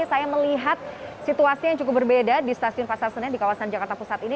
saya melihat situasi yang cukup berbeda di stasiun pasar senen di kawasan jakarta pusat ini